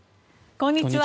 こんにちは。